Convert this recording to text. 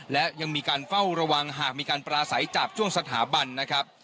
และยังมีการเฝ้าระวังหากมีการปราศัยจากช่วงสถาบันนะครับ